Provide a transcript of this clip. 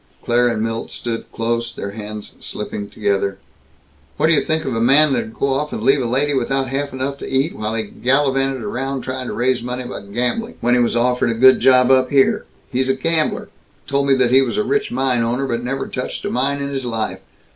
Claire and Milt stood close, their hands slipping together. "What d' you think of a man that'd go off and leave a lady without half enough to eat, while he gallivanted around, trying to raise money by gambling, when he was offered a good job up here? He's a gambler told me he was a rich mine owner, but never touched a mine in his life.